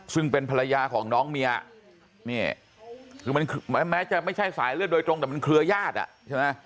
ซึ่งเป็นภรรยาของน้องเมียแม้จะไม่ใช่สายเลือดโดยตรงแต่มันเครือยาธิ